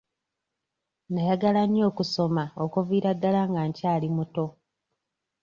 Nayagala nnyo okusoma okuviira ddala nga nkyali muto.